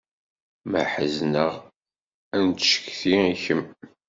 Ma ḥezneɣ ad n-cetkiɣ i kemm.